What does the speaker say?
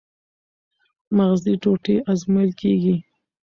مغزي ټوټې ازمویل کېږي.